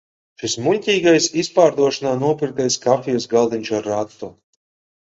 Šis muļķīgais izpārdošanā nopirktais kafijas galdiņš ar ratu!